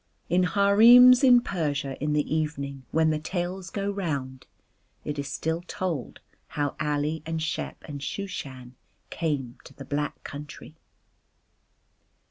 In harems in Persia in the evening when the tales go round it is still told how Ali and Shep and Shooshan came to the Black country.